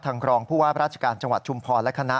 รองผู้ว่าราชการจังหวัดชุมพรและคณะ